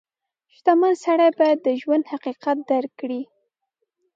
• شتمن سړی باید د ژوند حقیقت درک کړي.